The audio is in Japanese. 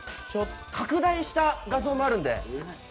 拡大した画像もあるんで。